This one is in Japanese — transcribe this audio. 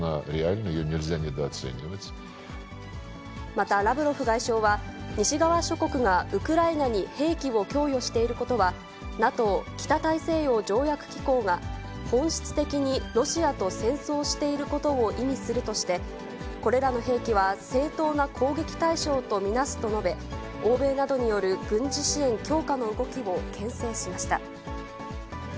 またラブロフ外相は、西側諸国がウクライナに兵器を供与していることは、ＮＡＴＯ・北大西洋条約機構が本質的にロシアと戦争していることを意味するとして、これらの兵器は正当な攻撃対象と見なすと述べ、欧米などによる軍事支援強化の動きをけん制しました。